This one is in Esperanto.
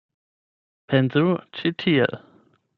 Pensu ĉi tiel.